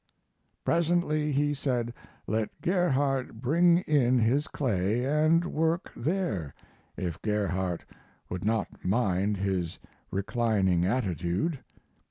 Presently he said, let Gerhardt bring in his clay and work there, if Gerhardt would not mind his reclining attitude.